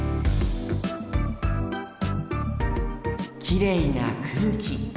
きれいな空気。